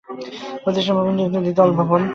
প্রতিষ্ঠান ভবনটি একটি দ্বিতল ভবন।